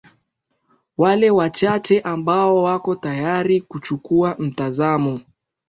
Wale wachache ambao wako tayari kuchukua mtazamo